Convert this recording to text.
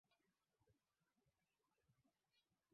yao wa Uajemi na makabila yasiyostaarabika kutoka kaskazini